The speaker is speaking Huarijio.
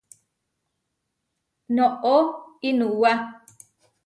Noʼó iʼnuwá.